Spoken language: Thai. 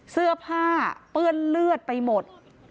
เสื้อผ้าเปื้อนเลือดไปหมด